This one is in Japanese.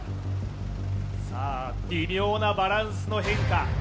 さあ、微妙なバランスの変化。